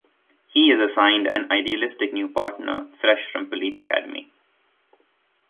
He is assigned an idealistic new partner fresh from police academy.